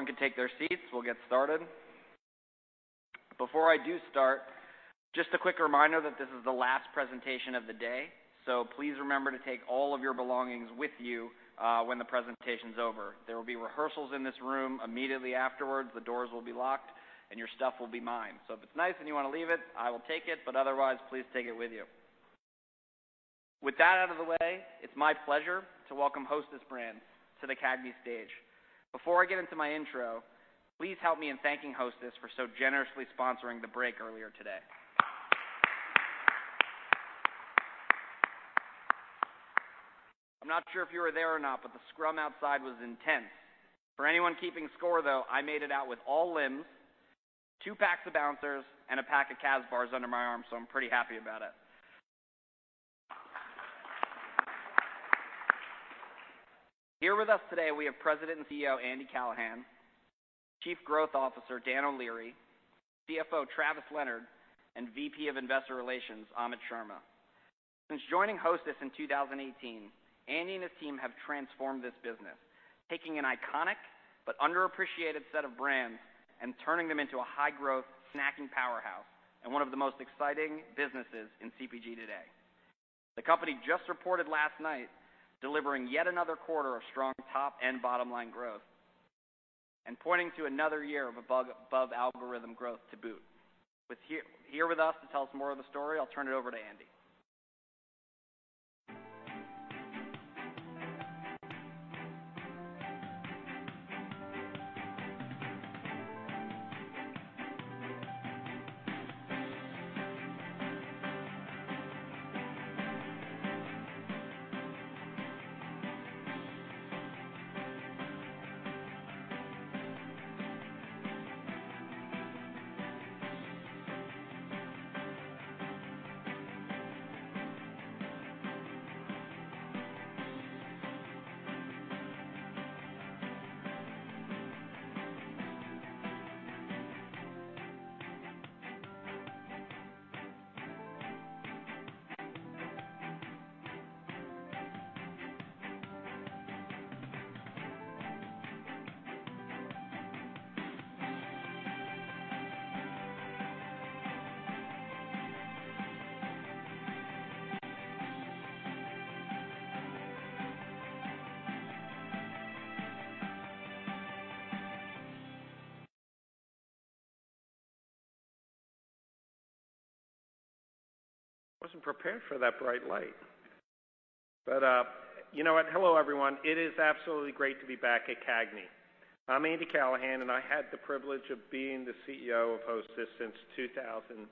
Everyone can take their seats, we'll get started. Before I do start, just a quick reminder that this is the last presentation of the day, so please remember to take all of your belongings with you when the presentation's over. There will be rehearsals in this room immediately afterwards. The doors will be locked and your stuff will be mine. If it's nice and you wanna leave it, I will take it, but otherwise please take it with you. With that out of the way, it's my pleasure to welcome Hostess Brands to the CAGNY stage. Before I get into my intro, please help me in thanking Hostess for so generously sponsoring the break earlier today. I'm not sure if you were there or not, the scrum outside was intense. For anyone keeping score, though, I made it out with all limbs, two packs of Bouncers, and a pack of Kazbars under my arm, so I'm pretty happy about it. Here with us today we have President and CEO, Andy Callahan, Chief Growth Officer, Dan O'Leary, CFO, Travis Leonard, and VP of Investor Relations, Amit Sharma. Since joining Hostess in 2018, Andy and his team have transformed this business, taking an iconic but underappreciated set of brands and turning them into a high-growth snacking powerhouse and one of the most exciting businesses in CPG today. The company just reported last night, delivering yet another quarter of strong top and bottom line growth, and pointing to another year of above algorithm growth to boot. Here with us to tell us more of the story, I'll turn it over to Andy. I wasn't prepared for that bright light. You know what? Hello, everyone. It is absolutely great to be back at CAGNY. I'm Andy Callahan, I had the privilege of being the CEO of Hostess since 2018.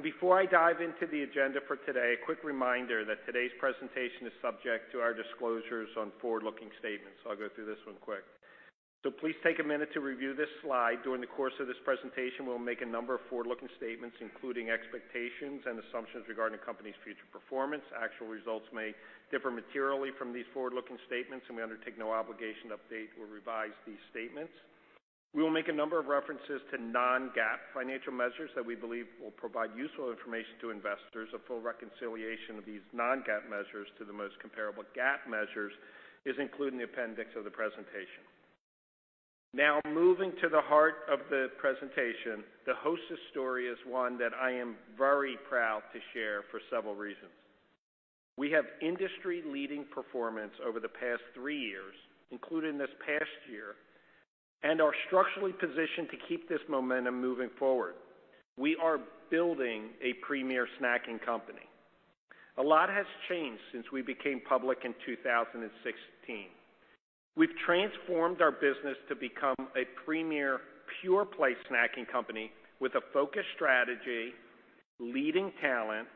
Before I dive into the agenda for today, a quick reminder that today's presentation is subject to our disclosures on forward-looking statements. I'll go through this one quick. Please take a minute to review this slide. During the course of this presentation, we'll make a number of forward-looking statements, including expectations and assumptions regarding the company's future performance. Actual results may differ materially from these forward-looking statements, we undertake no obligation to update or revise these statements. We will make a number of references to non-GAAP financial measures that we believe will provide useful information to investors. A full reconciliation of these non-GAAP measures to the most comparable GAAP measures is included in the appendix of the presentation. Now, moving to the heart of the presentation, the Hostess story is one that I am very proud to share for several reasons. We have industry-leading performance over the past three years, including this past year, and are structurally positioned to keep this momentum moving forward. We are building a premier snacking company. A lot has changed since we became public in 2016. We've transformed our business to become a premier pure-play snacking company with a focused strategy, leading talent,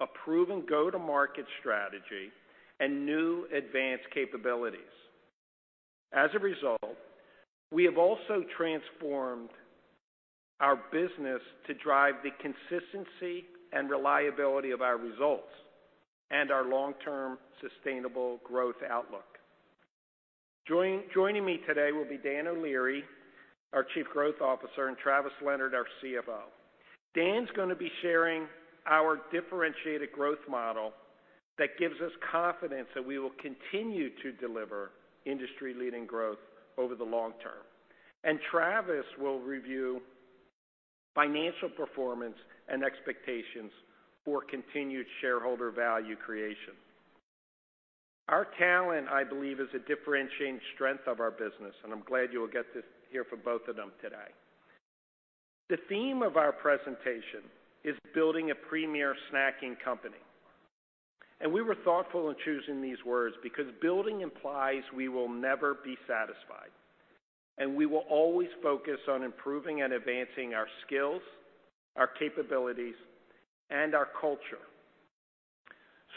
a proven go-to-market strategy, and new advanced capabilities. As a result, we have also transformed our business to drive the consistency and reliability of our results and our long-term sustainable growth outlook. Joining me today will be Dan O'Leary, our Chief Growth Officer, and Travis Leonard, our CFO. Dan's gonna be sharing our differentiated growth model that gives us confidence that we will continue to deliver industry-leading growth over the long term. Travis will review financial performance and expectations for continued shareholder value creation. Our talent, I believe, is a differentiating strength of our business, and I'm glad you will get this hear from both of them today. The theme of our presentation is building a premier snacking company. We were thoughtful in choosing these words because building implies we will never be satisfied, and we will always focus on improving and advancing our skills, our capabilities, and our culture.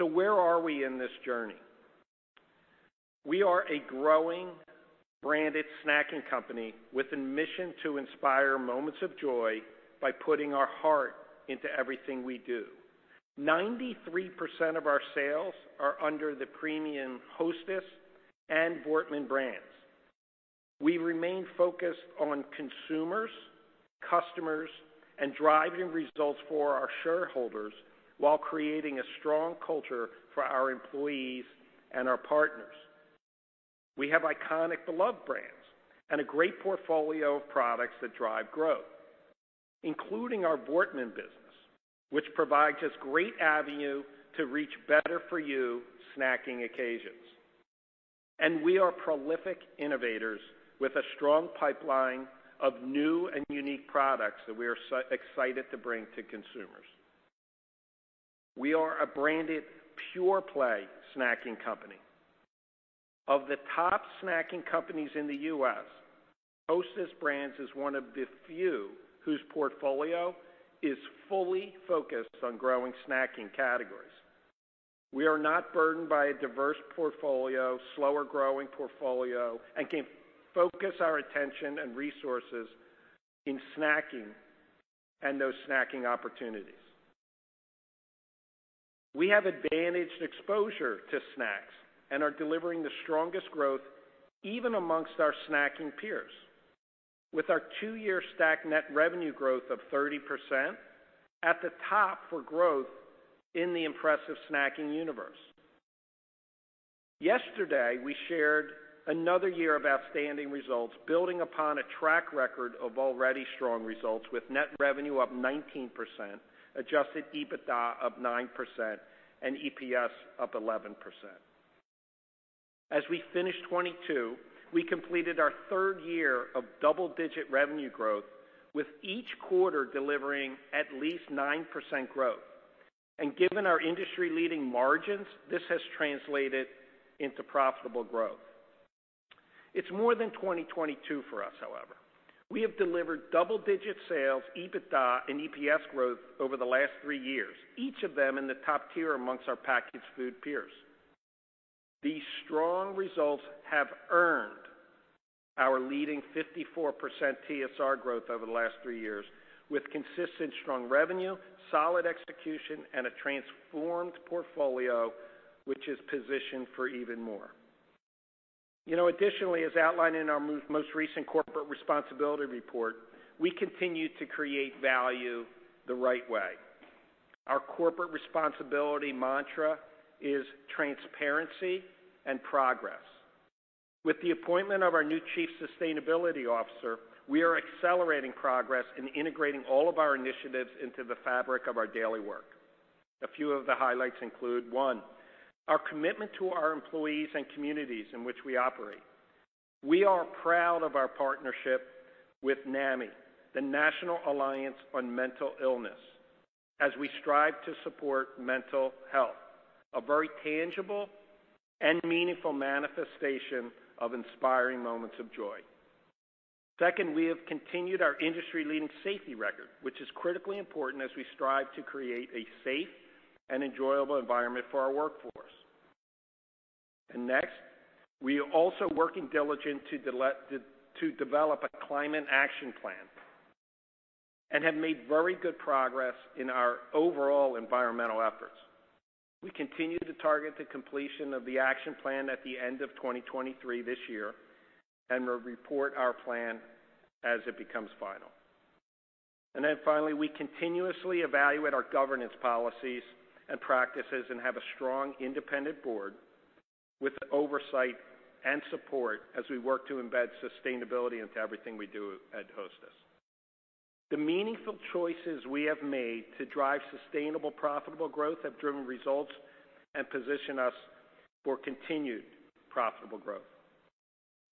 Where are we in this journey? We are a growing branded snacking company with a mission to inspire moments of joy by putting our heart into everything we do. 93% of our sales are under the premium Hostess and Voortman brands. We remain focused on Customers, and driving results for our shareholders while creating a strong culture for our employees and our partners. We have iconic beloved brands and a great portfolio of products that drive growth, including our Voortman business, which provides us great avenue to reach better for you snacking occasions. We are prolific innovators with a strong pipeline of new and unique products that we are so excited to bring to consumers. We are a branded pure-play snacking company. Of the top snacking companies in the US, Hostess Brands is one of the few whose portfolio is fully focused on growing snacking categories. We are not burdened by a diverse portfolio, slower growing portfolio, and can focus our attention and resources in snacking and those snacking opportunities. We have advantaged exposure to snacks and are delivering the strongest growth even amongst our snacking peers. With our two-year stack net revenue growth of 30% at the top for growth in the impressive snacking universe. Yesterday, we shared another year of outstanding results, building upon a track record of already strong results with net revenue up 19%, adjusted EBITDA up 9% and EPS up 11%. As we finish 2022, we completed our third year of double-digit revenue growth, with each quarter delivering at least 9% growth. Given our industry-leading margins, this has translated into profitable growth. It's more than 2022 for us, however. We have delivered double-digit sales, EBITDA, and EPS growth over the last three years, each of them in the top tier amongst our packaged food peers. These strong results have earned our leading 54% TSR growth over the last three years, with consistent strong revenue, solid execution, and a transformed portfolio, which is positioned for even more. You know, additionally, as outlined in our most recent corporate responsibility report, we continue to create value the right way. Our corporate responsibility mantra is transparency and progress. With the appointment of our new chief sustainability officer, we are accelerating progress in integrating all of our initiatives into the fabric of our daily work. A few of the highlights include, one, our commitment to our employees and communities in which we operate. We are proud of our partnership with NAMI, the National Alliance on Mental Illness, as we strive to support mental health, a very tangible and meaningful manifestation of inspiring moments of joy. Second, we have continued our industry leading safety record, which is critically important as we strive to create a safe and enjoyable environment for our workforce. Next, we are also working diligent to develop a climate action plan and have made very good progress in our overall environmental efforts. We continue to target the completion of the action plan at the end of 2023 this year and will report our plan as it becomes final. Finally, we continuously evaluate our governance policies and practices and have a strong independent board with oversight and support as we work to embed sustainability into everything we do at Hostess. The meaningful choices we have made to drive sustainable, profitable growth have driven results and position us for continued profitable growth.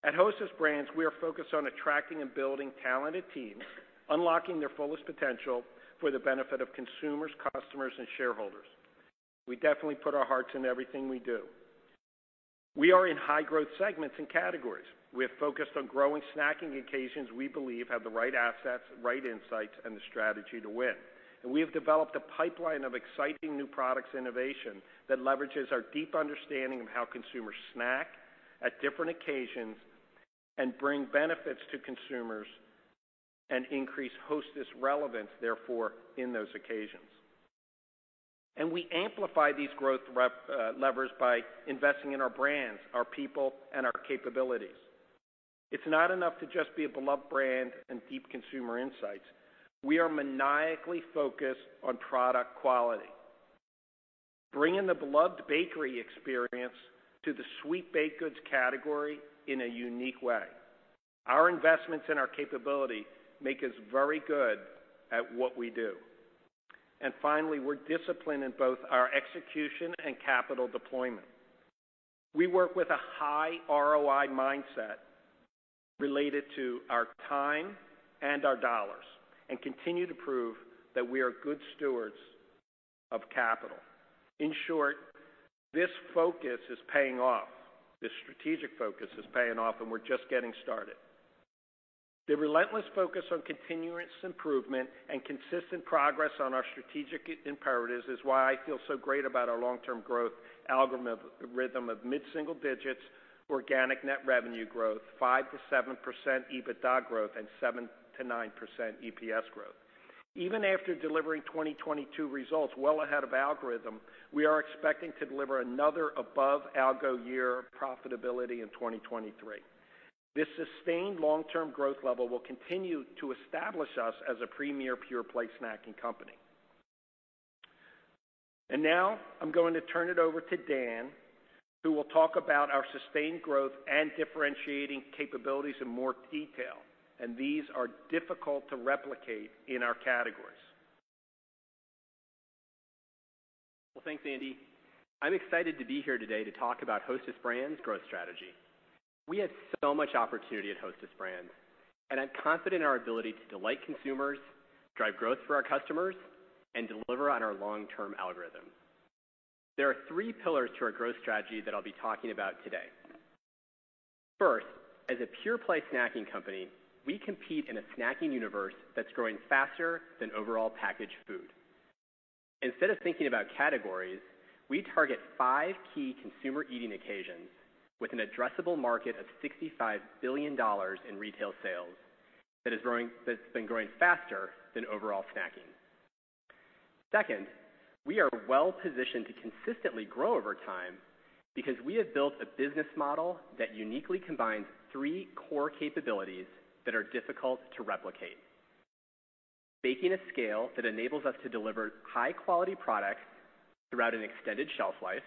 At Hostess Brands, we are focused on attracting and building talented teams, unlocking their fullest potential for the benefit of consumers, customers, and shareholders. We definitely put our hearts in everything we do. We are in high growth segments and categories. We are focused on growing snacking occasions we believe have the right assets, right insights, and the strategy to win. We have developed a pipeline of exciting new products innovation that leverages our deep understanding of how consumers snack at different occasions and bring benefits to consumers and increase Hostess relevance, therefore in those occasions. We amplify these growth levers by investing in our brands, our people, and our capabilities. It's not enough to just be a beloved brand and deep consumer insights. We are maniacally focused on product quality, bringing the beloved bakery experience to the sweet baked goods category in a unique way. Our investments and our capability make us very good at what we do. Finally, we're disciplined in both our execution and capital deployment. We work with a high ROI mindset related to our time and our dollars, and continue to prove that we are good stewards of capital. In short, this focus is paying off. This strategic focus is paying off, and we're just getting started. The relentless focus on continuous improvement and consistent progress on our strategic imperatives is why I feel so great about our long-term growth algorithm of mid-single digits, organic net revenue growth, 5%-7% EBITDA growth, and 7%-9% EPS growth. Even after delivering 2022 results well ahead of algorithm, we are expecting to deliver another above algo year profitability in 2023. This sustained long-term growth level will continue to establish us as a premier pure-play snacking company. Now I'm going to turn it over to Dan, who will talk about our sustained growth and differentiating capabilities in more detail. These are difficult to replicate in our categories. Thanks, Andy. I'm excited to be here today to talk about Hostess Brands' growth strategy. We have so much opportunity at Hostess Brands, and I'm confident in our ability to delight consumers, drive growth for our customers, and deliver on our long-term algorithm. There are three pillars to our growth strategy that I'll be talking about today. First, as a pure-play snacking company, we compete in a snacking universe that's growing faster than overall packaged food. Instead of thinking about categories, we target five key consumer eating occasions with an addressable market of $65 billion in retail sales that's been growing faster than overall snacking. Second, we are well positioned to consistently grow over time because we have built a business model that uniquely combines three core capabilities that are difficult to replicate. Baking a scale that enables us to deliver high-quality products throughout an extended shelf life,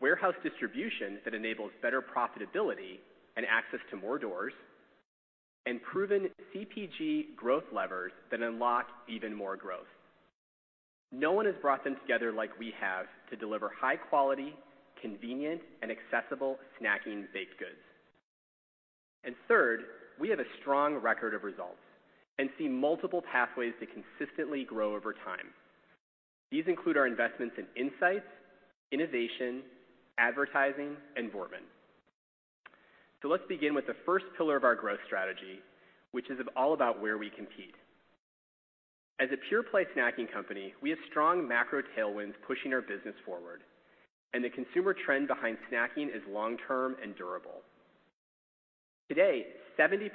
warehouse distribution that enables better profitability and access to more doors, and proven CPG growth levers that unlock even more growth. No one has brought them together like we have to deliver high quality, convenient, and accessible snacking baked goods. Third, we have a strong record of results and see multiple pathways to consistently grow over time. These include our investments in insights, innovation, advertising, and Voortman. Let's begin with the first pillar of our growth strategy, which is all about where we compete. As a pure-play snacking company, we have strong macro tailwinds pushing our business forward, and the consumer trend behind snacking is long-term and durable. Today, 70%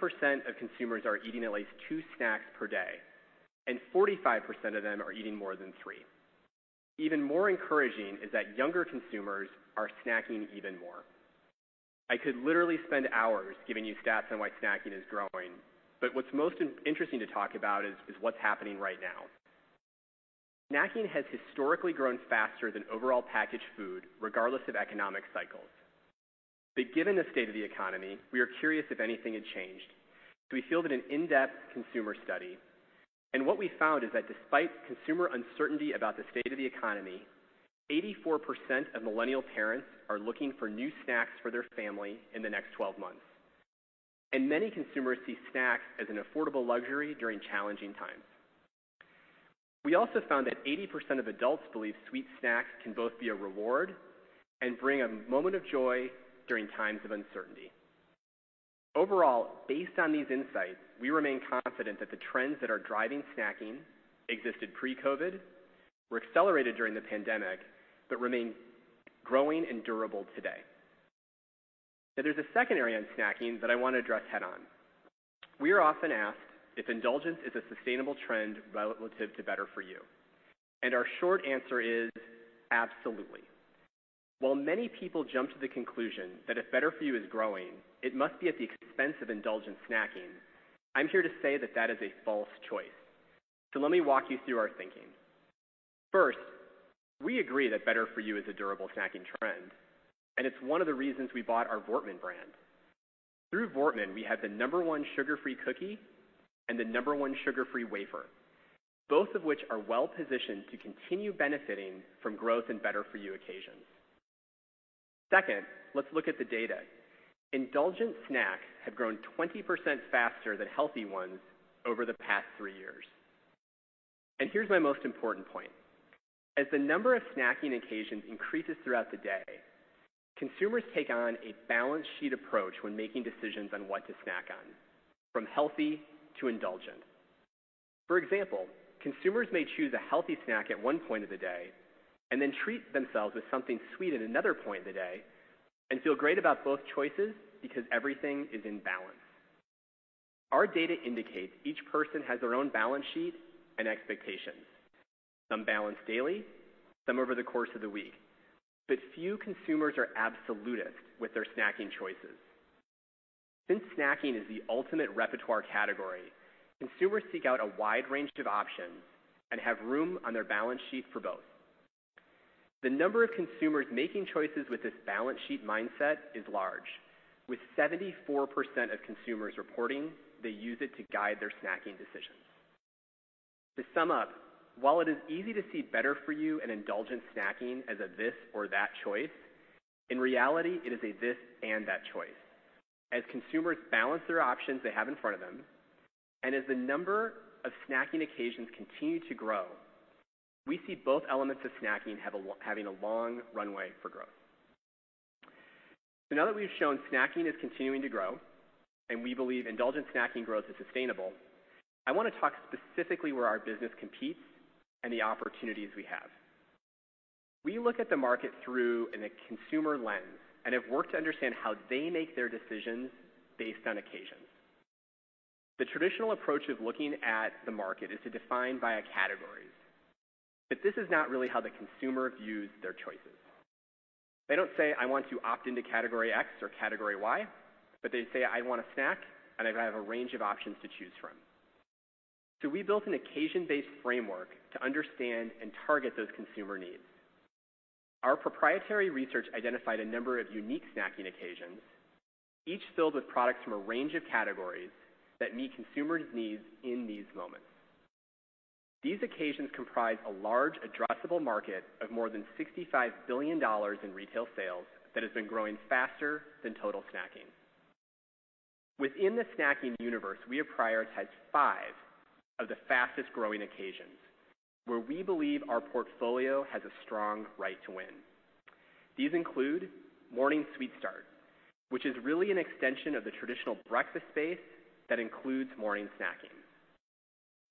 of consumers are eating at least two snacks per day, and 45% of them are eating more than three. Even more encouraging is that younger consumers are snacking even more. I could literally spend hours giving you stats on why snacking is growing, but what's most interesting to talk about is what's happening right now. Snacking has historically grown faster than overall packaged food, regardless of economic cycles. Given the state of the economy, we are curious if anything had changed. We field an in-depth consumer study, what we found is that despite consumer uncertainty about the state of the economy, 84% of Millennial parents are looking for new snacks for their family in the next 12 months. Many consumers see snacks as an affordable luxury during challenging times. We also found that 80% of adults believe sweet snacks can both be a reward and bring a moment of joy during times of uncertainty. Overall, based on these insights, we remain confident that the trends that are driving snacking existed pre-COVID, were accelerated during the pandemic, but remain growing and durable today. There's a second area in snacking that I want to address head-on. We are often asked if indulgence is a sustainable trend relative to better for you. Our short answer is absolutely. While many people jump to the conclusion that if better for you is growing, it must be at the expense of indulgent snacking, I'm here to say that that is a false choice. Let me walk you through our thinking. First, we agree that better for you is a durable snacking trend, and it's one of the reasons we bought our Voortman brand. Through Voortman, we have the number one sugar-free cookie and the number one sugar-free wafer, both of which are well-positioned to continue benefiting from growth in better for you occasions. Second, let's look at the data. Indulgent snacks have grown 20% faster than healthy ones over the past three years. Here's my most important point. As the number of snacking occasions increases throughout the day, consumers take on a balance sheet approach when making decisions on what to snack on, from healthy to indulgent. For example, consumers may choose a healthy snack at one point of the day and then treat themselves with something sweet at another point in the day and feel great about both choices because everything is in balance. Our data indicates each person has their own balance sheet and expectations. Some balance daily, some over the course of the week. Few consumers are absolutist with their snacking choices. Since snacking is the ultimate repertoire category, consumers seek out a wide range of options and have room on their balance sheet for both. The number of consumers making choices with this balance sheet mindset is large, with 74% of consumers reporting they use it to guide their snacking decisions. To sum up, while it is easy to see better for you and indulgent snacking as a this or that choice, in reality, it is a this and that choice. As consumers balance their options they have in front of them and as the number of snacking occasions continue to grow, we see both elements of snacking having a long runway for growth. Now that we've shown snacking is continuing to grow and we believe indulgent snacking growth is sustainable, I want to talk specifically where our business competes and the opportunities we have. We look at the market through in a consumer lens and have worked to understand how they make their decisions based on occasions. The traditional approach of looking at the market is to define via categories, but this is not really how the consumer views their choices. They don't say, "I want to opt into category X or category Y," but they say, "I want a snack, and I have a range of options to choose from." We built an occasion-based framework to understand and target those consumer needs. Our proprietary research identified a number of unique snacking occasions, each filled with products from a range of categories that meet consumers' needs in these moments. These occasions comprise a large addressable market of more than $65 billion in retail sales that has been growing faster than total snacking. Within the snacking universe, we have prioritized five of the fastest-growing occasions, where we believe our portfolio has a strong right to win. These include Morning Sweet Start, which is really an extension of the traditional breakfast space that includes morning snacking.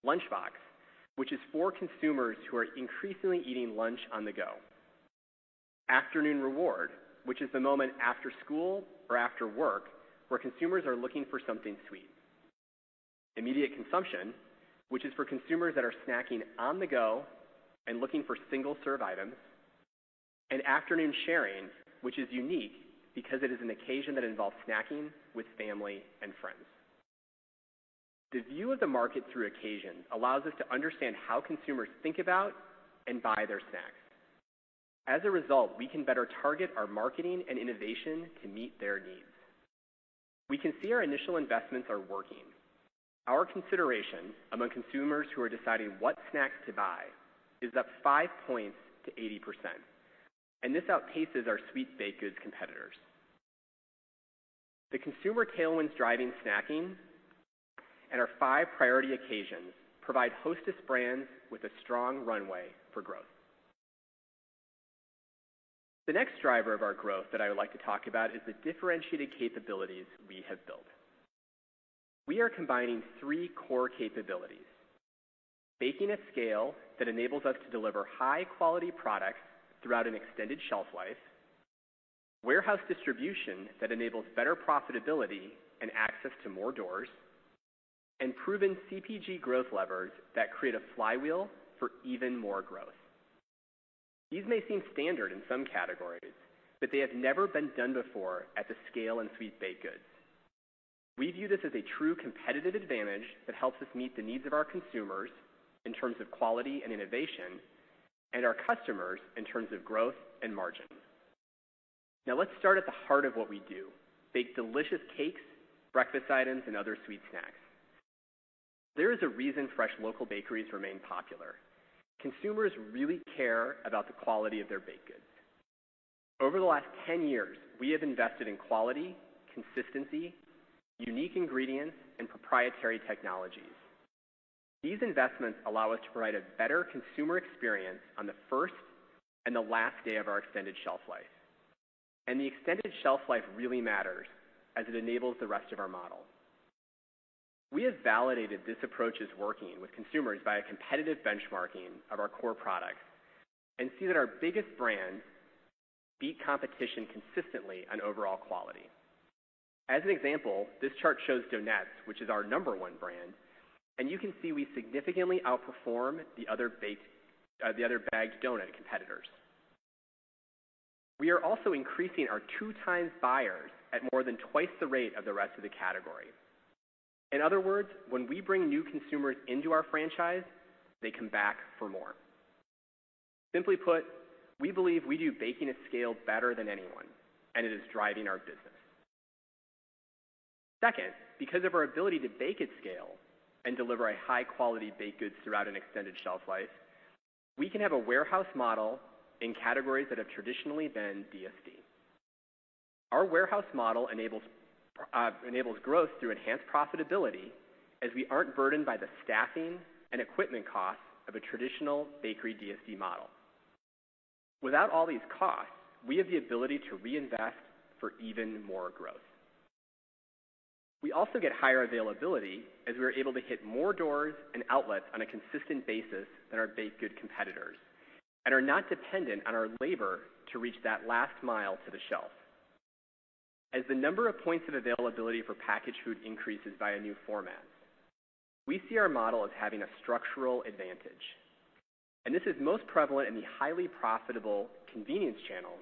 Lunchbox, which is for consumers who are increasingly eating lunch on the go. Afternoon Reward, which is the moment after school or after work, where consumers are looking for something sweet. Immediate Consumption, which is for consumers that are snacking on the go and looking for single-serve items. Afternoon Sharing, which is unique because it is an occasion that involves snacking with family and friends. The view of the market through occasion allows us to understand how consumers think about and buy their snacks. As a result, we can better target our marketing and innovation to meet their needs. We can see our initial investments are working. Our consideration among consumers who are deciding what snacks to buy is up five points to 80%, and this outpaces our sweet baked goods competitors. The consumer tailwinds driving snacking and our five priority occasions provide Hostess Brands with a strong runway for growth. The next driver of our growth that I would like to talk about is the differentiated capabilities we have built. We are combining three core capabilities, baking at scale that enables us to deliver high-quality products throughout an extended shelf life, warehouse distribution that enables better profitability and access to more doors, and proven CPG growth levers that create a flywheel for even more growth. These may seem standard in some categories, but they have never been done before at the scale in sweet baked goods. We view this as a true competitive advantage that helps us meet the needs of our consumers in terms of quality and innovation and our customers in terms of growth and margin. Now let's start at the heart of what we do, bake delicious cakes, breakfast items, and other sweet snacks. There is a reason fresh local bakeries remain popular. Consumers really care about the quality of their baked goods. Over the last 10 years, we have invested in quality, consistency, unique ingredients, and proprietary technologies. These investments allow us to provide a better consumer experience on the first and the last day of our extended shelf life. The extended shelf life really matters as it enables the rest of our model. We have validated this approach is working with consumers via competitive benchmarking of our core products and see that our biggest brands beat competition consistently on overall quality. As an example, this chart shows Donuts, which is our number one brand, and you can see we significantly outperform the other bagged donut competitors. We are also increasing our two-time buyers at more than twice the rate of the rest of the category. In other words, when we bring new consumers into our franchise, they come back for more. Simply put, we believe we do baking at scale better than anyone, and it is driving our business. Second, because of our ability to bake at scale and deliver a high-quality baked goods throughout an extended shelf life, we can have a warehouse model in categories that have traditionally been DSD. Our warehouse model enables growth through enhanced profitability as we aren't burdened by the staffing and equipment costs of a traditional bakery DSD model. Without all these costs, we have the ability to reinvest for even more growth. We also get higher availability as we are able to hit more doors and outlets on a consistent basis than our baked good competitors and are not dependent on our labor to reach that last mile to the shelf. As the number of points of availability for packaged food increases via new formats, we see our model as having a structural advantage. This is most prevalent in the highly profitable convenience channel,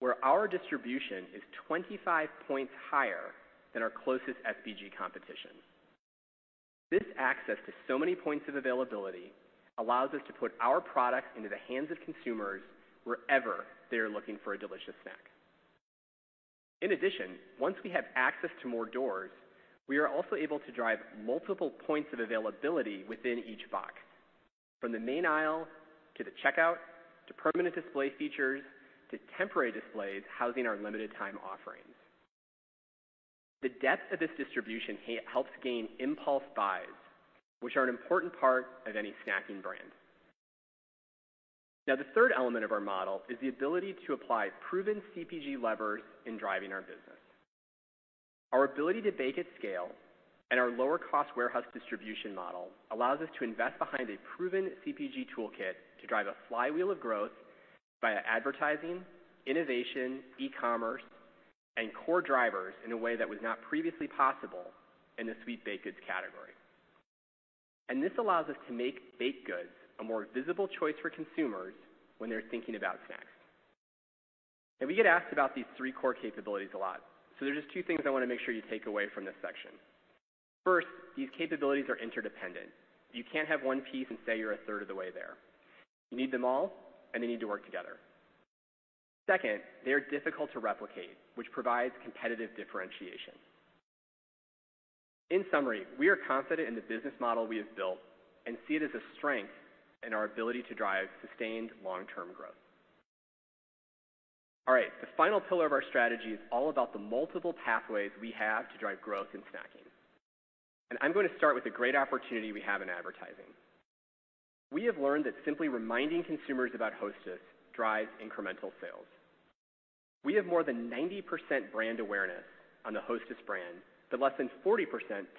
where our distribution is 25 points higher than our closest SBG competition. This access to so many points of availability allows us to put our products into the hands of consumers wherever they're looking for a delicious snack. In addition, once we have access to more doors, we are also able to drive multiple points of availability within each box, from the main aisle to the checkout, to permanent display features, to temporary displays housing our limited time offerings. The depth of this distribution helps gain impulse buys, which are an important part of any snacking brand. The third element of our model is the ability to apply proven CPG levers in driving our business. Our ability to bake at scale and our lower cost warehouse distribution model allows us to invest behind a proven CPG toolkit to drive a flywheel of growth via advertising, innovation, e-commerce, and core drivers in a way that was not previously possible in the sweet baked goods category. This allows us to make baked goods a more visible choice for consumers when they're thinking about snacks. We get asked about these three core capabilities a lot, so there's just two things I wanna make sure you take away from this section. First, these capabilities are interdependent. You can't have one piece and say you're a third of the way there. You need them all, and they need to work together. Second, they are difficult to replicate, which provides competitive differentiation. In summary, we are confident in the business model we have built and see it as a strength in our ability to drive sustained long-term growth. All right, the final pillar of our strategy is all about the multiple pathways we have to drive growth in snacking. I'm gonna start with the great opportunity we have in advertising. We have learned that simply reminding consumers about Hostess drives incremental sales. We have more than 90% brand awareness on the Hostess brand, but less than 40%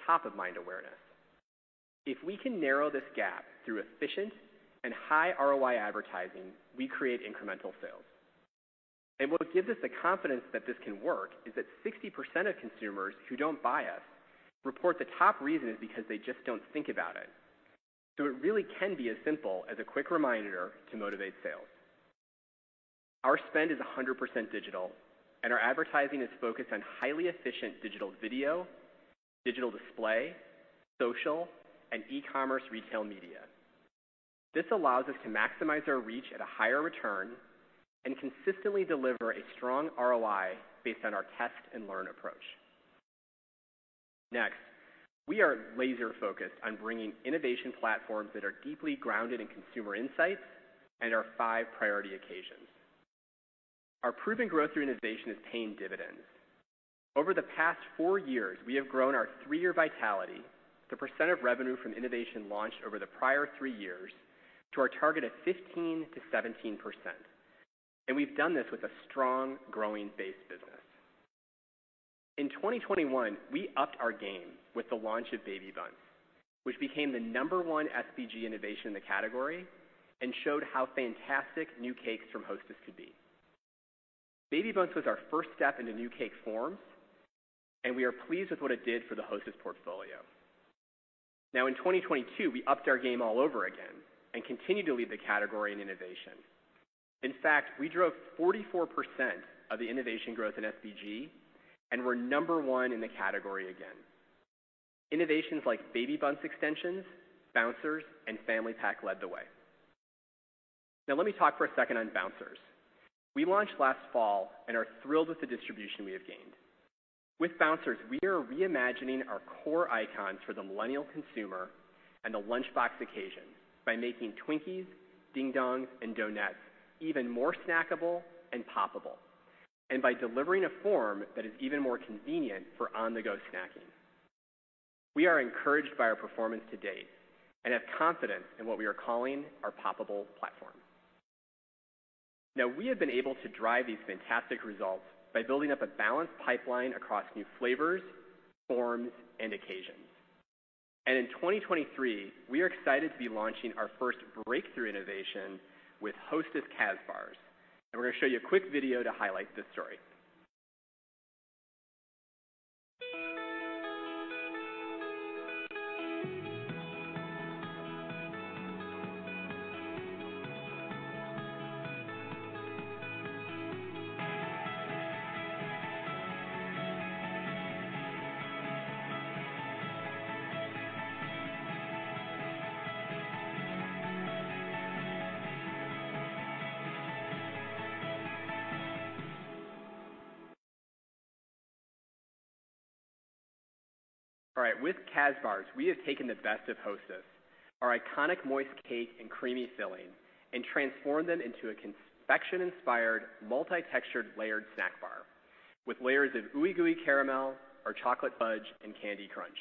top of mind awareness. If we can narrow this gap through efficient and high ROI advertising, we create incremental sales. What gives us the confidence that this can work is that 60% of consumers who don't buy us report the top reason is because they just don't think about it. It really can be as simple as a quick reminder to motivate sales. Our spend is 100% digital, and our advertising is focused on highly efficient digital video, digital display, social, and e-commerce retail media. This allows us to maximize our reach at a higher return and consistently deliver a strong ROI based on our test and learn approach. Next, we are laser focused on bringing innovation platforms that are deeply grounded in consumer insights and our five priority occasions. Our proven growth through innovation has paid in dividends. Over the past four years, we have grown our three-year vitality, the % of revenue from innovation launched over the prior three years, to our target of 15%-17%. We've done this with a strong growing base business. In 2021, we upped our game with the launch of Baby Bundts, which became the number one SPG innovation in the category and showed how fantastic new cakes from Hostess could be. Baby Bundts was our first step into new cake forms, and we are pleased with what it did for the Hostess portfolio. In 2022, we upped our game all over again and continue to lead the category in innovation. In fact, we drove 44% of the innovation growth in SPG and were number one in the category again. Innovations like Baby Bundts extensions, Bouncers, and Family Pack led the way. Let me talk for a second on Bouncers. We launched last fall and are thrilled with the distribution we have gained. With Bouncers, we are reimagining our core icons for the millennial consumer and the Lunchbox occasion by making Twinkies, Ding Dongs, and Donettes even more snackable and poppable, and by delivering a form that is even more convenient for on-the-go snacking. We are encouraged by our performance to date and have confidence in what we are calling our poppable platform. We have been able to drive these fantastic results by building up a balanced pipeline across new flavors, forms, and occasions. In 2023, we are excited to be launching our first breakthrough innovation with Hostess Kazbars. We're gonna show you a quick video to highlight this story. With Kazbars, we have taken the best of Hostess, our iconic moist cake and creamy filling, and transformed them into a confection-inspired, multi-textured, layered snack bar with layers of ooey-gooey caramel, our chocolate fudge, and candy crunch.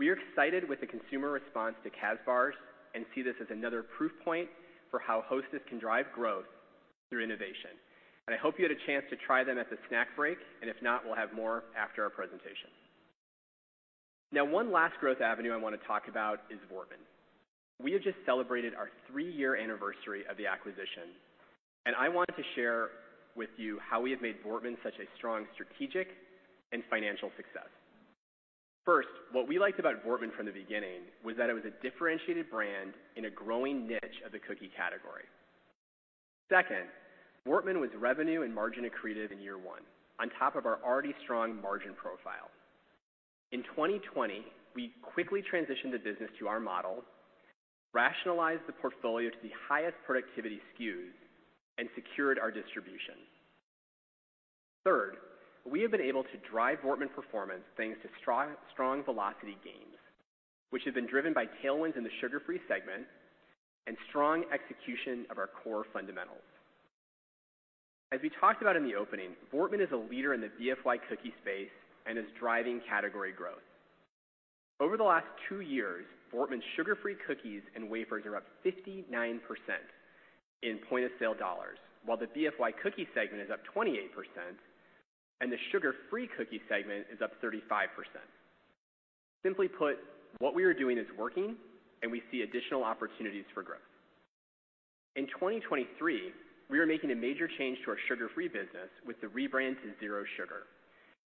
We are excited with the consumer response to Kazbars and see this as another proof point for how Hostess can drive growth through innovation. I hope you had a chance to try them at the snack break, and if not, we'll have more after our presentation. Now one last growth avenue I wanna talk about is Voortman. We have just celebrated our three-year anniversary of the acquisition, and I want to share with you how we have made Voortman such a strong strategic and financial success. First, what we liked about Voortman from the beginning was that it was a differentiated brand in a growing niche of the cookie category. Second, Voortman was revenue and margin accretive in year one on top of our already strong margin profile. In 2020, we quickly transitioned the business to our model, rationalized the portfolio to the highest productivity SKUs, and secured our distribution. We have been able to drive Voortman performance thanks to strong velocity gains, which have been driven by tailwinds in the sugar-free segment and strong execution of our core fundamentals. As we talked about in the opening, Voortman is a leader in the BFY cookie space and is driving category growth. Over the last two years, Voortman's sugar-free cookies and wafers are up 59% in point of sale dollars, while the BFY cookie segment is up 28% and the sugar-free cookie segment is up 35%. Simply put, what we are doing is working and we see additional opportunities for growth. In 2023, we are making a major change to our sugar-free business with the rebrand to Zero Sugar,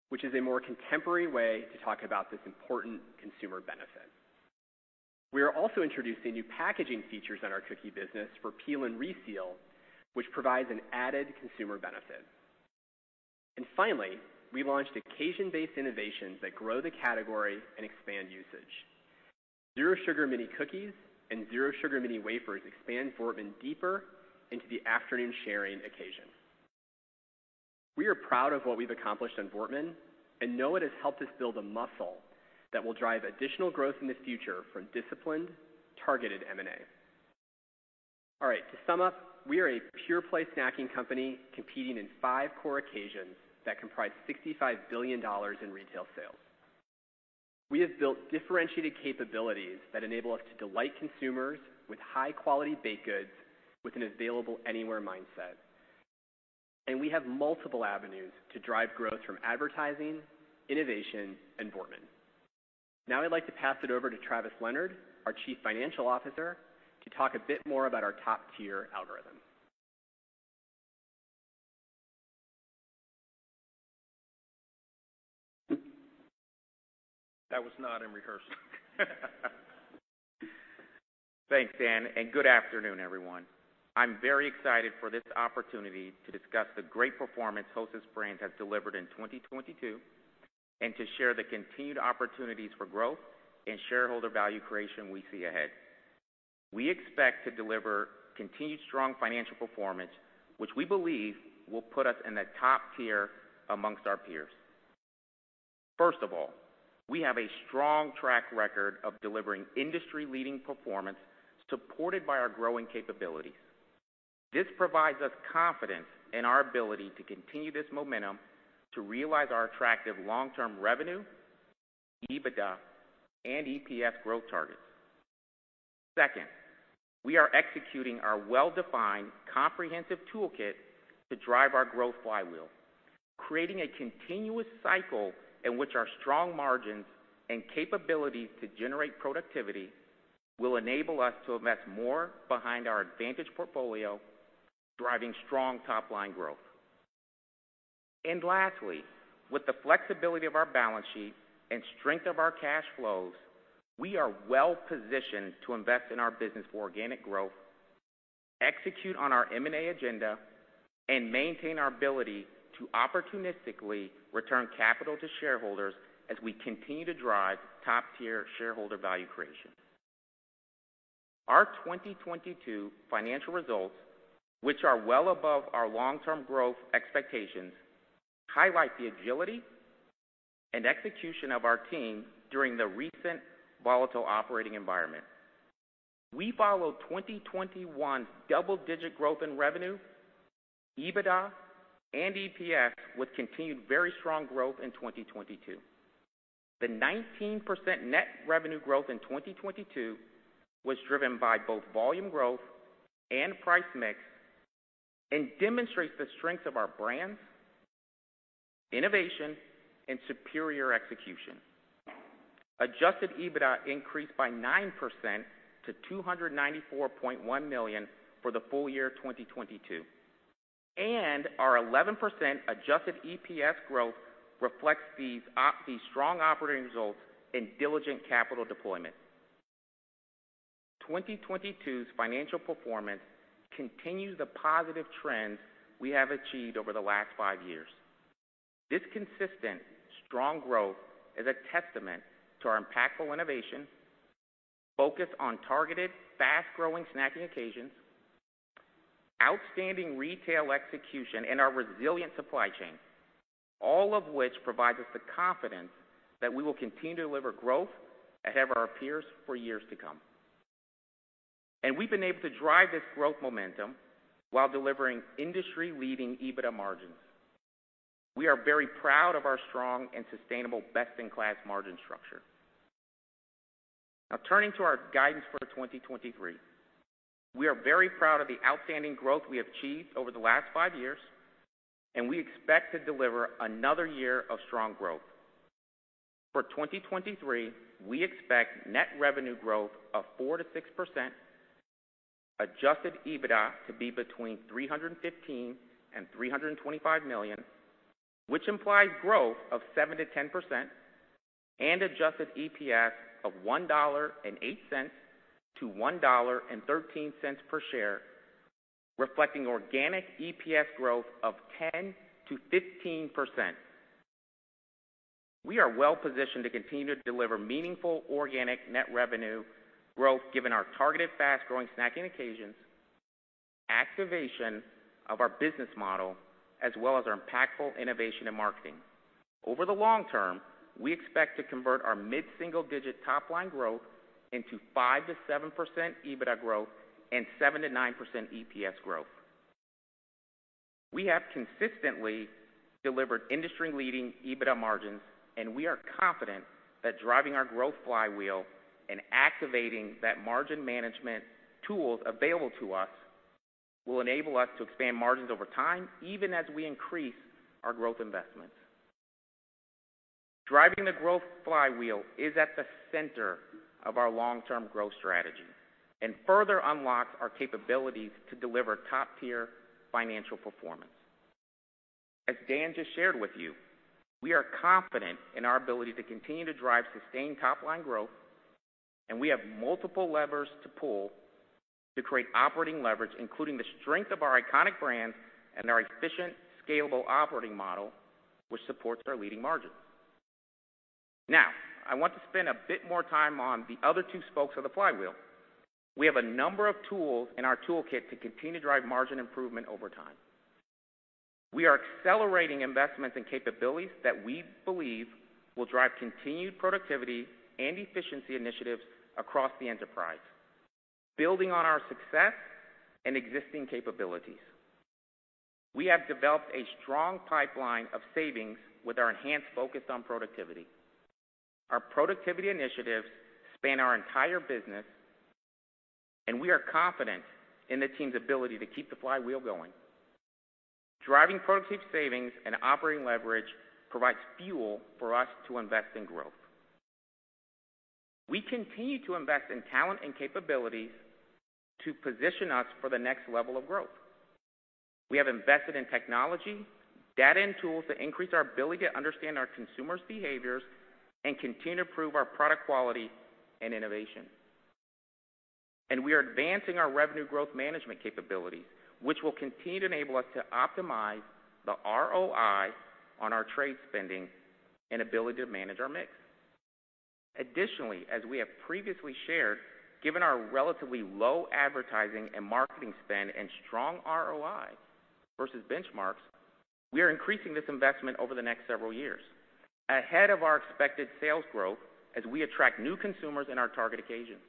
which is a more contemporary way to talk about this important consumer benefit. We are also introducing new packaging features in our cookie business for peel and reseal, which provides an added consumer benefit. Finally, we launched occasion-based innovations that grow the category and expand usage. Zero Sugar mini cookies and Zero Sugar mini wafers expand Voortman deeper into the Afternoon Sharing occasion. We are proud of what we've accomplished on Voortman and know it has helped us build a muscle that will drive additional growth in the future from disciplined, targeted M&A. To sum up, we are a pure play snacking company competing in 5 core occasions that comprise $65 billion in retail sales. We have built differentiated capabilities that enable us to delight consumers with high quality baked goods with an available anywhere mindset. We have multiple avenues to drive growth from advertising, innovation, and Voortman. I'd like to pass it over to Travis Leonard, our Chief Financial Officer, to talk a bit more about our top-tier algorithm. That was not in rehearsal. Thanks, Dan. Good afternoon, everyone. I'm very excited for this opportunity to discuss the great performance Hostess Brands has delivered in 2022 and to share the continued opportunities for growth and shareholder value creation we see ahead. We expect to deliver continued strong financial performance, which we believe will put us in the top tier amongst our peers. First of all, we have a strong track record of delivering industry leading performance supported by our growing capabilities. This provides us confidence in our ability to continue this momentum to realize our attractive long-term revenue, EBITDA and EPS growth targets. Second, we are executing our well-defined comprehensive toolkit to drive our growth flywheel, creating a continuous cycle in which our strong margins and capabilities to generate productivity will enable us to invest more behind our advantage portfolio, driving strong top line growth. Lastly, with the flexibility of our balance sheet and strength of our cash flows, we are well positioned to invest in our business for organic growth, execute on our M&A agenda, and maintain our ability to opportunistically return capital to shareholders as we continue to drive top-tier shareholder value creation. Our 2022 financial results, which are well above our long-term growth expectations, highlight the agility and execution of our team during the recent volatile operating environment. We followed 2021's double-digit growth in revenue, EBITDA and EPS with continued very strong growth in 2022. The 19% net revenue growth in 2022 was driven by both volume growth and price mix and demonstrates the strength of our brands, innovation and superior execution. Adjusted EBITDA increased by 9% to $294.1 million for the full year 2022, and our 11% adjusted EPS growth reflects these strong operating results in diligent capital deployment. 2022's financial performance continues the positive trends we have achieved over the last five years. This consistent strong growth is a testament to our impactful innovation, focus on targeted fast-growing snacking occasions, outstanding retail execution, and our resilient supply chain, all of which provide us the confidence that we will continue to deliver growth ahead of our peers for years to come. We've been able to drive this growth momentum while delivering industry-leading EBITDA margins. We are very proud of our strong and sustainable best in class margin structure. Now turning to our guidance for 2023. We are very proud of the outstanding growth we have achieved over the last five years, and we expect to deliver another year of strong growth. For 2023, we expect net revenue growth of 4%-6%, adjusted EBITDA to be between $315 million and $325 million, which implies growth of 7%-10% and adjusted EPS of $1.08-$1.13 per share, reflecting organic EPS growth of 10%-15%. We are well positioned to continue to deliver meaningful organic net revenue growth given our targeted fast growing snacking occasions, activation of our business model, as well as our impactful innovation and marketing. Over the long term, we expect to convert our mid-single-digit top-line growth into 5%-7% EBITDA growth and 7%-9% EPS growth. We have consistently delivered industry-leading EBITDA margins, and we are confident that driving our growth flywheel and activating that margin management tools available to us will enable us to expand margins over time, even as we increase our growth investments. Driving the growth flywheel is at the center of our long-term growth strategy and further unlocks our capabilities to deliver top-tier financial performance. As Dan just shared with you, we are confident in our ability to continue to drive sustained top-line growth, and we have multiple levers to pull to create operating leverage, including the strength of our iconic brands and our efficient, scalable operating model, which supports our leading margins. Now, I want to spend a bit more time on the other two spokes of the flywheel. We have a number of tools in our toolkit to continue to drive margin improvement over time. We are accelerating investments and capabilities that we believe will drive continued productivity and efficiency initiatives across the enterprise, building on our success and existing capabilities. We have developed a strong pipeline of savings with our enhanced focus on productivity. Our productivity initiatives span our entire business, and we are confident in the team's ability to keep the flywheel going. Driving productivity savings and operating leverage provides fuel for us to invest in growth. We continue to invest in talent and capabilities to position us for the next level of growth. We have invested in technology, data, and tools to increase our ability to understand our consumers' behaviors and continue to improve our product quality and innovation. We are advancing our revenue growth management capabilities, which will continue to enable us to optimize the ROI on our trade spending and ability to manage our mix. As we have previously shared, given our relatively low advertising and marketing spend and strong ROI versus benchmarks, we are increasing this investment over the next several years ahead of our expected sales growth as we attract new consumers in our target occasions.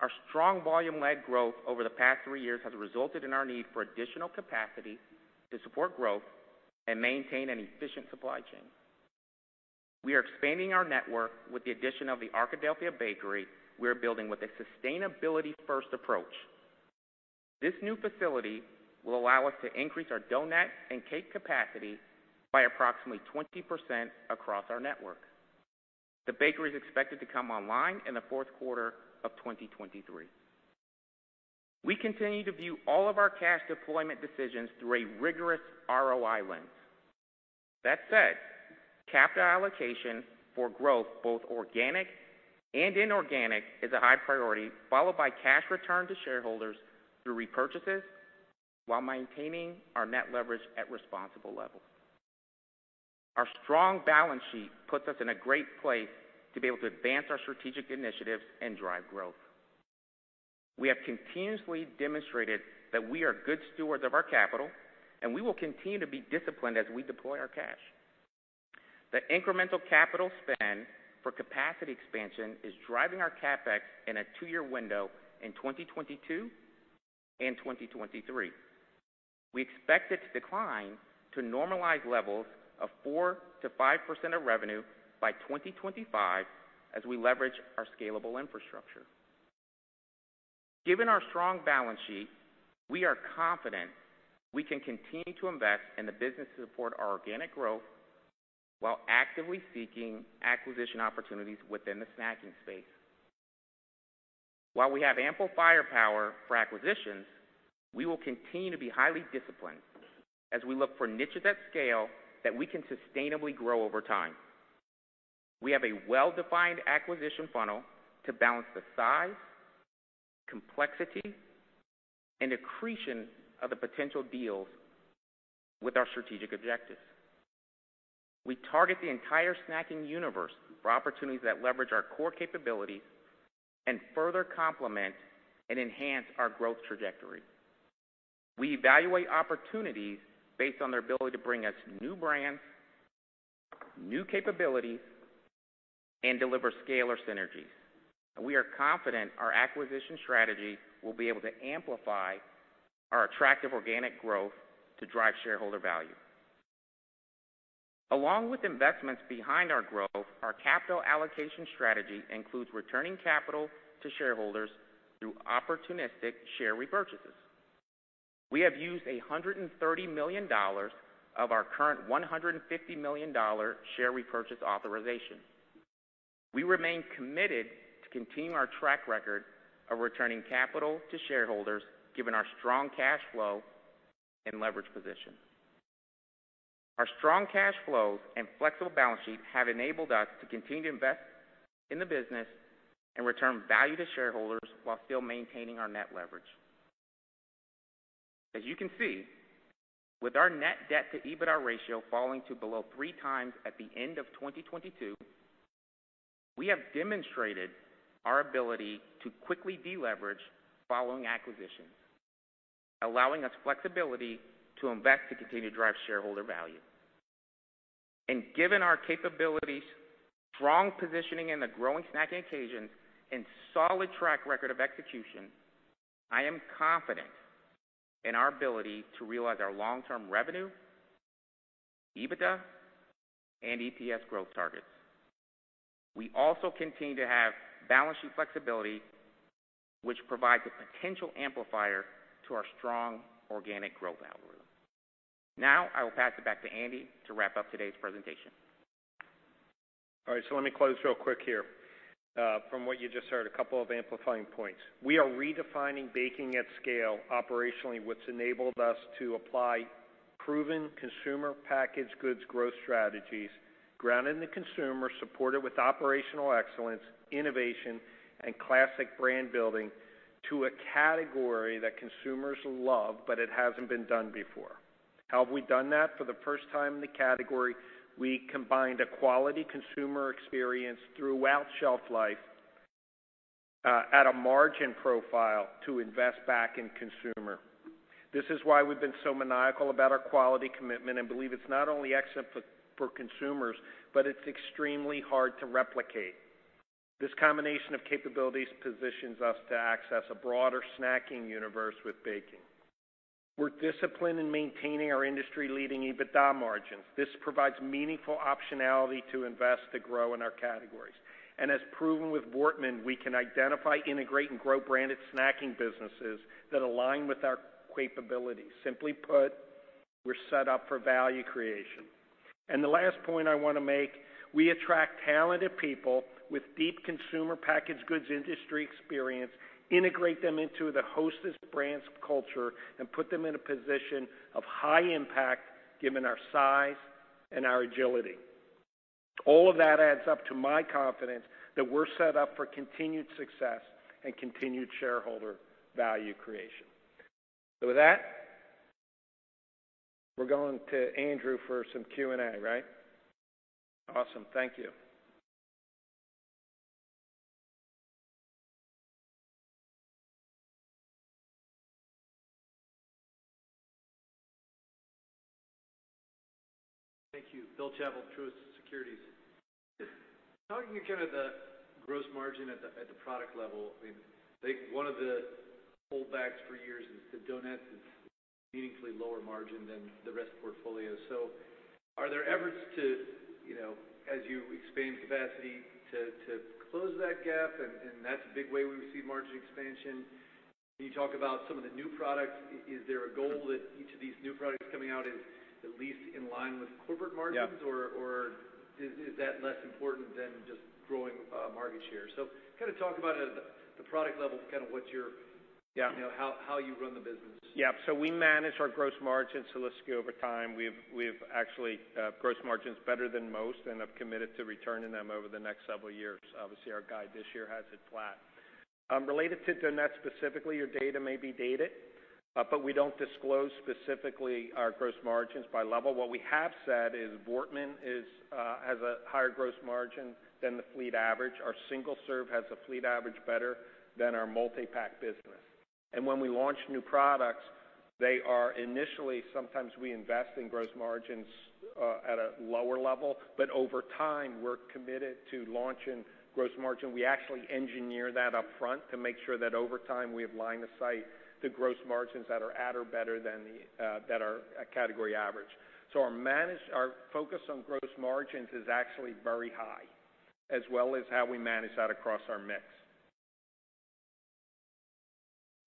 Our strong volume-led growth over the past three years has resulted in our need for additional capacity to support growth and maintain an efficient supply chain. We are expanding our network with the addition of the Arkadelphia bakery we are building with a sustainability-first approach. This new facility will allow us to increase our donut and cake capacity by approximately 20% across our network. The bakery is expected to come online in the fourth quarter of 2023. We continue to view all of our cash deployment decisions through a rigorous ROI lens. That said, capital allocation for growth, both organic and inorganic, is a high priority, followed by cash return to shareholders through repurchases while maintaining our net leverage at responsible levels. Our strong balance sheet puts us in a great place to be able to advance our strategic initiatives and drive growth. We have continuously demonstrated that we are good stewards of our capital, and we will continue to be disciplined as we deploy our cash. The incremental capital spend for capacity expansion is driving our CapEx in a two-year window in 2022 and 2023. We expect it to decline to normalized levels of 4%-5% of revenue by 2025 as we leverage our scalable infrastructure. Given our strong balance sheet, we are confident we can continue to invest in the business to support our organic growth while actively seeking acquisition opportunities within the snacking space. While we have ample firepower for acquisitions, we will continue to be highly disciplined as we look for niches at scale that we can sustainably grow over time. We have a well-defined acquisition funnel to balance the size, complexity, and accretion of the potential deals with our strategic objectives. We target the entire snacking universe for opportunities that leverage our core capabilities and further complement and enhance our growth trajectory. We evaluate opportunities based on their ability to bring us new brands, new capabilities, and deliver scale or synergies. We are confident our acquisition strategy will be able to amplify our attractive organic growth to drive shareholder value. Along with investments behind our growth, our capital allocation strategy includes returning capital to shareholders through opportunistic share repurchases. We have used $130 million of our current $150 million share repurchase authorization. We remain committed to continuing our track record of returning capital to shareholders, given our strong cash flow and leverage position. Our strong cash flows and flexible balance sheet have enabled us to continue to invest in the business and return value to shareholders while still maintaining our net leverage. As you can see, with our net debt to EBITDA ratio falling to below 3x at the end of 2022, we have demonstrated our ability to quickly deleverage following acquisitions, allowing us flexibility to invest to continue to drive shareholder value. Given our capabilities, strong positioning in the growing snacking occasions, and solid track record of execution, I am confident in our ability to realize our long-term revenue, EBITDA, and EPS growth targets. We also continue to have balance sheet flexibility, which provides a potential amplifier to our strong organic growth algorithm. I will pass it back to Andy to wrap up today's presentation. All right, let me close real quick here. From what you just heard, a couple of amplifying points. We are redefining baking at scale operationally, what's enabled us to apply proven consumer packaged goods growth strategies, grounded in the consumer, supported with operational excellence, innovation, and classic brand building to a category that consumers love, but it hasn't been done before. How have we done that? For the first time in the category, we combined a quality consumer experience throughout shelf life at a margin profile to invest back in consumer. This is why we've been so maniacal about our quality commitment and believe it's not only excellent for consumers, but it's extremely hard to replicate. This combination of capabilities positions us to access a broader snacking universe with baking. We're disciplined in maintaining our industry-leading EBITDA margins. This provides meaningful optionality to invest to grow in our categories. As proven with Voortman, we can identify, integrate, and grow branded snacking businesses that align with our capabilities. Simply put, we're set up for value creation. The last point I wanna make, we attract talented people with deep consumer packaged goods industry experience, integrate them into the Hostess Brands culture, and put them in a position of high impact given our size and our agility. All of that adds up to my confidence that we're set up for continued success and continued shareholder value creation. With that, we're going to Andrew for some Q&A, right? Awesome. Thank you. Thank you. Bill Chappell, Truist Securities. Talking again of the gross margin at the product level, I mean, like one of the hold backs for years is the donuts is meaningfully lower margin than the rest of the portfolio. Are there efforts to, you know, as you expand capacity to close that gap and that's a big way we see margin expansion. Can you talk about some of the new products? Is there a goal that each of these new products coming out is at least in line with corporate margins? Yeah. Is that less important than just growing market share? Kind of talk about at the product level, kind of what you're. Yeah. You know, how you run the business. Yeah. We manage our gross margins holistically over time. We've actually gross margin's better than most and have committed to returning them over the next several years. Obviously, our guide this year has it flat. Related to donut specifically, your data may be dated, but we don't disclose specifically our gross margins by level. What we have said is Voortman has a higher gross margin than the fleet average. Our single serve has a fleet average better than our multi-pack business. When we launch new products, they are sometimes we invest in gross margins at a lower level, but over time, we're committed to launching gross margin. We actually engineer that upfront to make sure that over time, we have line of sight to gross margins that are at or better than the than our category average. Our focus on gross margins is actually very high, as well as how we manage that across our mix.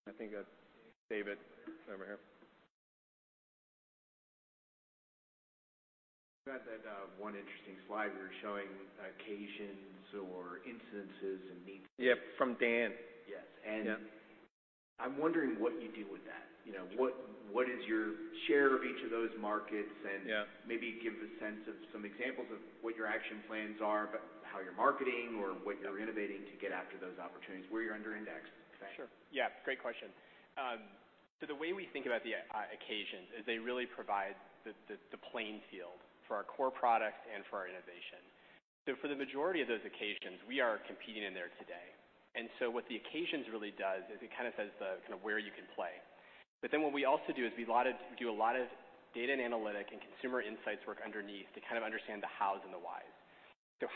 I think that's David over here. You had that, one interesting slide where you're showing occasions or instances and needs. Yeah, from Dan. Yes. Yeah. I'm wondering what you do with that. You know, what is your share of each of those markets? Yeah. Maybe give a sense of some examples of what your action plans are, but how you're marketing or what you're innovating to get after those opportunities where you're under indexed. Thanks. Sure. Yeah, great question. The way we think about the occasions is they really provide the playing field for our core products and for our innovation. For the majority of those occasions, we are competing in there today. What the occasions really does is it kind of says the kind of where you can play. What we also do is we do a lot of data and analytic and consumer insights work underneath to kind of understand the hows and the whys.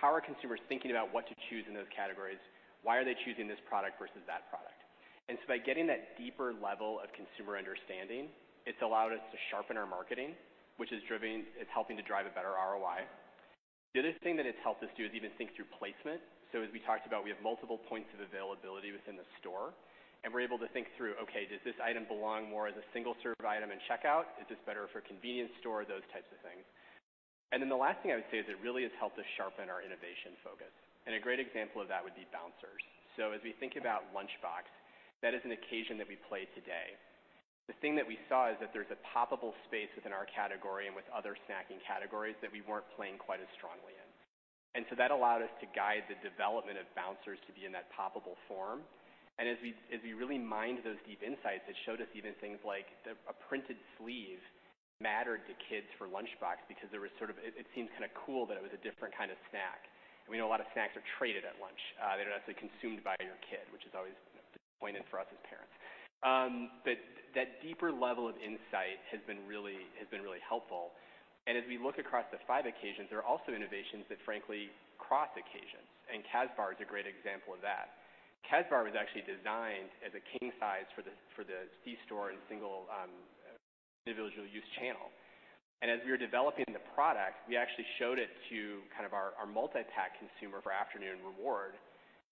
How are consumers thinking about what to choose in those categories? Why are they choosing this product versus that product? By getting that deeper level of consumer understanding, it's allowed us to sharpen our marketing, which is helping to drive a better ROI. The other thing that it's helped us do is even think through placement. As we talked about, we have multiple points of availability within the store, and we're able to think through, "Okay, does this item belong more as a single serve item in checkout? Is this better for a convenience store?" Those types of things. The last thing I would say is it really has helped us sharpen our innovation focus. A great example of that would be Bouncers. As we think about Lunchbox, that is an occasion that we play today. The thing that we saw is that there's a poppable space within our category and with other snacking categories that we weren't playing quite as strongly in. That allowed us to guide the development of Bouncers to be in that poppable form. As we really mined those deep insights, it showed us even things like the a printed sleeve mattered to kids for Lunchbox because there was sort of. It seemed kind of cool that it was a different kind of snack. We know a lot of snacks are traded at lunch. They're not necessarily consumed by your kid, which is always disappointing for us as parents. That deeper level of insight has been really helpful. As we look across the five occasions, there are also innovations that frankly cross occasions, and Kazbars is a great example of that. Kazbars was actually designed as a king size for the C-store and single individual use channel. As we were developing the product, we actually showed it to kind of our multi-pack consumer for Afternoon Reward,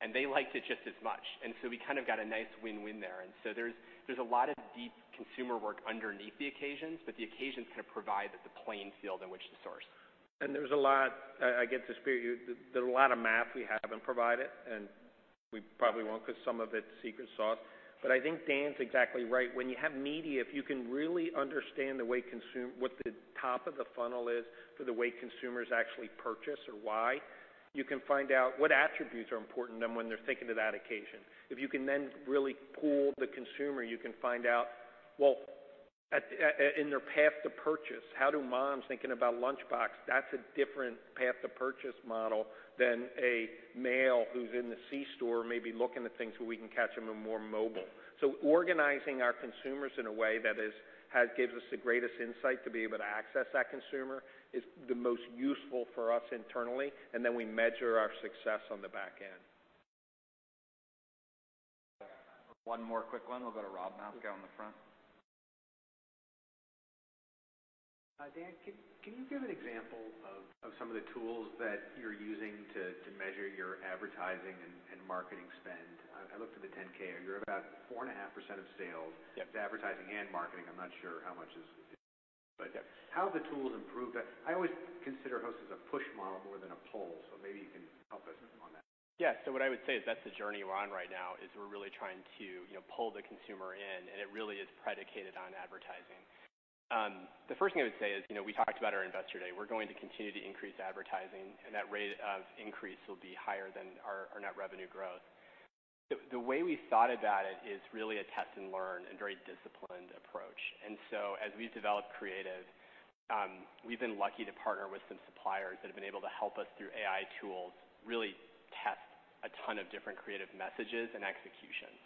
and they liked it just as much. We kind of got a nice win-win there. There's a lot of deep consumer work underneath the occasions, but the occasions kind of provide the playing field in which to source. There's a lot. I get the spirit of you. There's a lot of math we haven't provided, and we probably won't 'cause some of it's secret sauce. I think Dan's exactly right. When you have media, if you can really understand the way what the top of the funnel is for the way consumers actually purchase or why, you can find out what attributes are important to them when they're thinking of that occasion. If you can then really pool the consumer, you can find out, well, at in their path to purchase, how do moms thinking about Lunchbox, that's a different path to purchase model than a male who's in the C-store, maybe looking at things where we can catch them in more mobile. Organizing our consumers in a way that gives us the greatest insight to be able to access that consumer is the most useful for us internally, and then we measure our success on the back end. One more quick one. We'll go to Robert Moskow out in the front. Hi, Dan, can you give an example of some of the tools that you're using to measure your advertising and marketing spend? I looked at the 10-K, you're about 4.5% of sales. Yep. to advertising and marketing. I'm not sure how much is but how have the tools improved that? I always consider Hostess a push model more than a pull, so maybe you can help us on that. Yeah. What I would say is that's the journey we're on right now, is we're really trying to, you know, pull the consumer in, and it really is predicated on advertising. The first thing I would say is, you know, we talked about our investor day. We're going to continue to increase advertising, and that rate of increase will be higher than our net revenue growth. The way we thought about it is really a test and learn and very disciplined approach. As we've developed creative, we've been lucky to partner with some suppliers that have been able to help us through AI tools, really test a ton of different creative messages and executions.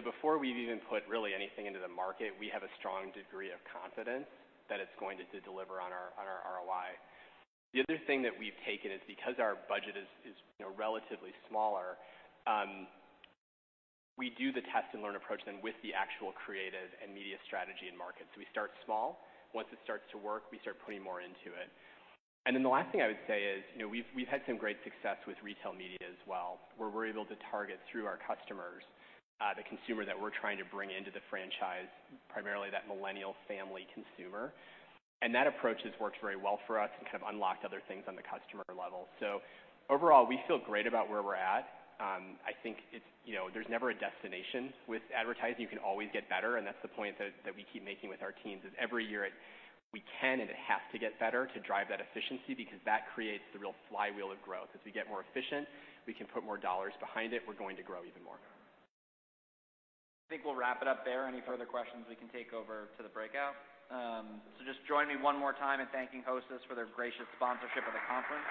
Before we've even put really anything into the market, we have a strong degree of confidence that it's going to deliver on our ROI. The other thing that we've taken is because our budget is, you know, relatively smaller, we do the test and learn approach then with the actual creative and media strategy in market. We start small. Once it starts to work, we start putting more into it. The last thing I would say is, you know, we've had some great success with retail media as well, where we're able to target through our customers, the consumer that we're trying to bring into the franchise, primarily that millennial family consumer. That approach has worked very well for us and kind of unlocked other things on the customer level. Overall, we feel great about where we're at. I think it's, you know, there's never a destination with advertising. You can always get better. That's the point that we keep making with our teams is every year we can, and it has to get better to drive that efficiency because that creates the real flywheel of growth. As we get more efficient, we can put more dollars behind it. We're going to grow even more. I think we'll wrap it up there. Any further questions we can take over to the breakout. Just join me one more time in thanking Hostess for their gracious sponsorship of the conference.